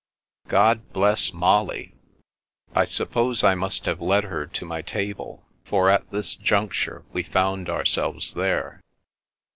" God bless Molly." I suppose I must have led her to my table, for at this juncture we found ourselves there.